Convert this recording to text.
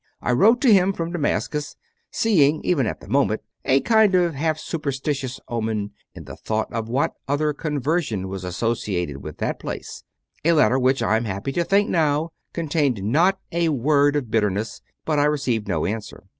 I wrote to him from Damascus, seeing even at the moment a kind of half superstitious omen in the thought of what other conversion was associated with that place a letter which, I am happy to think now, contained not a CONFESSIONS OF A CONVERT 49 word of bitterness; but I received no answer.